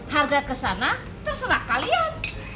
harga kesana terserah kalian